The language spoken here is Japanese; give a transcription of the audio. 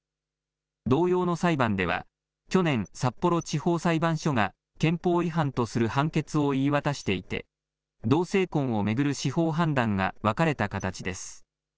同様の裁判では、去年、札幌地方裁判所が憲法違反とする判決を言い渡していて、同性婚を巡る司法判断が分かれた形です。